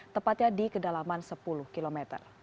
tepatnya di kedalaman sepuluh km